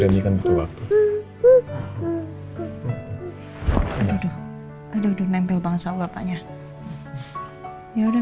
minta bilnya ya